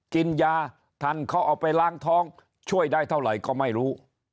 กินยาทันเขาเอาไปล้างท้องช่วยได้เท่าไหร่ก็ไม่รู้